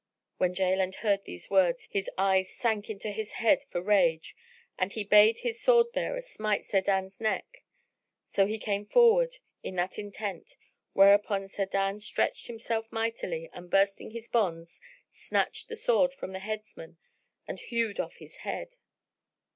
When Jaland heard these words, his eyes sank into his head for rage and he bade his swordbearer smite Sa'adan's neck. So he came forward in that intent, whereupon Sa'adan stretched himself mightily and bursting his bonds, snatched the sword from the headsman and hewed off his head.